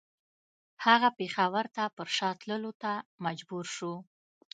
هغه پېښور ته پر شا تللو ته مجبور شو.